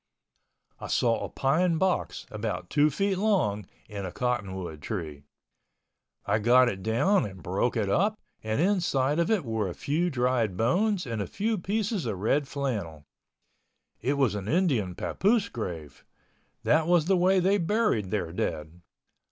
I saw a pine box about two feet long in a cottonwood tree. I got it down and broke it up and inside of it were a few dried bones and a few pieces of red flannel. It was an Indian papoose grave—that was the way they buried their dead.